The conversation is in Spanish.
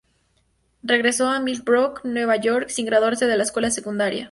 Regresó a Millbrook, Nueva York, sin graduarse de la escuela secundaria.